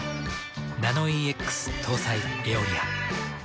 ナノイーＸ搭載「エオリア」。